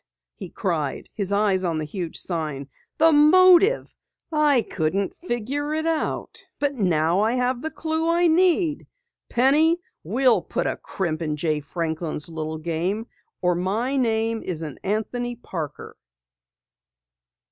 he cried, his eyes on the huge sign. "The motive! I couldn't figure it out, but now I have the clue I need! Penny, we'll put a crimp in Jay Franklin's little game, or my name isn't Anthony Parker!"